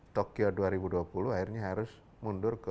tokio dua ribu dua puluh akhirnya harus mundur ke dua ribu dua puluh satu